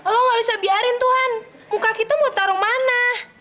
lo gak bisa biarin tuhan muka kita mau taruh mana